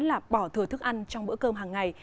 là bỏ thừa thức ăn trong bữa cơm hàng ngày